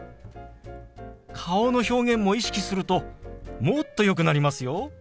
顔の表現も意識するともっとよくなりますよ。